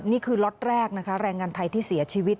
นี่คือล็อตแรกนะคะแรงงานไทยที่เสียชีวิต